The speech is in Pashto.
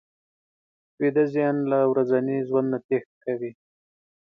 ویده ذهن له ورځني ژوند نه تېښته کوي